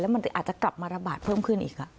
มันอาจจะกลับมาระบาดเพิ่มขึ้นอีก